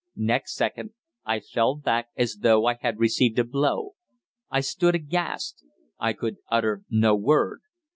Next second I fell back as though I had received a blow. I stood aghast. I could utter no word.